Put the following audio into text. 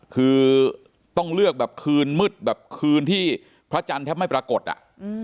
คือต้องเลือกแบบคืนมืดแบบคืนที่พระจันทร์แทบไม่ปรากฏอ่ะ